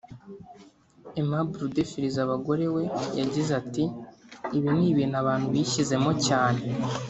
Aimable udefiriza abagore we yagize ati “Ibi ni ibintu abantu bishyizemo cyane